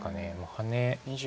ハネ。